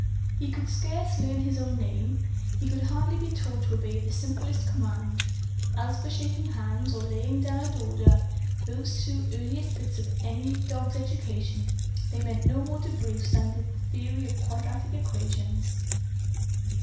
He could scarce learn his own name. He could hardly be taught to obey the simplest command. As for shaking hands or lying down at order (those two earliest bits of any dog's education), they meant no more to Bruce than did the theory of quadratic equations.